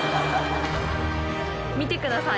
見てください。